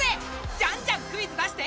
じゃんじゃんクイズ出して！